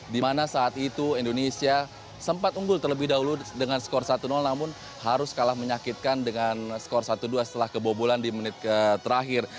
di mana saat itu indonesia sempat unggul terlebih dahulu dengan skor satu namun harus kalah menyakitkan dengan skor satu dua setelah kebobolan di menit ke terakhir